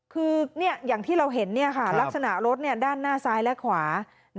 คืออย่างที่เราเห็นลักษณะรถด้านหน้าซ้ายและขวา